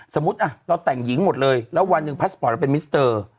สมมุติเราแต่งหญิงหมดเลยแล้ววันหนึ่งพาสปอร์ตเราเป็นมิสเตอร์